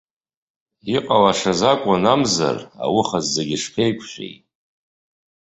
Иҟалашаз акәын амзар, ауха зегьы шԥеиқәшәеи.